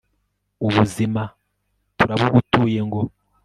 ubuzima, turabugutuye ngo